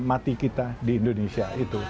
mati kita di indonesia